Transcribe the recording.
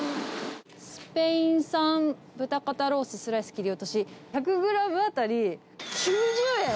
スペイン産豚肩ローススライス切り落とし、１００グラム当たり９０円。